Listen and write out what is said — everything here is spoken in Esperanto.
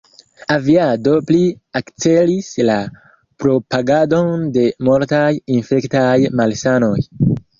Aviado pli akcelis la propagadon de multaj infektaj malsanoj.